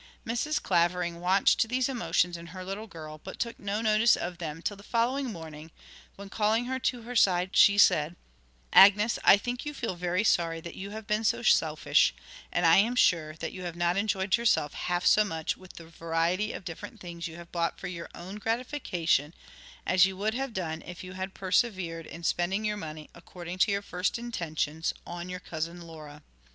Mrs. Clavering watched these emotions in her little girl, but took no notice of them till the following morning, when, calling her to her side, she said: 'Agnes, I think you feel very sorry that you have been so selfish, and I am sure that you have not enjoyed yourself half so much with the variety of different things you have bought for your own gratification as you would have done if you had persevered in spending your money, according to your first intentions, on your cousin Laura.